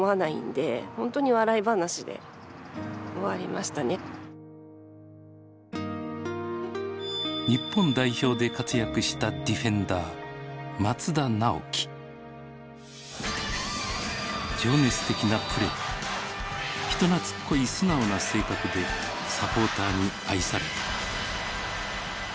まさかこう日本代表で活躍したディフェンダー情熱的なプレー人なつっこい素直な性格でサポーターに愛された。